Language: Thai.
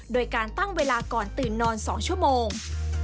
โดยการตั้งเวลาก่อนตื่นนอน๒ชั่วโมง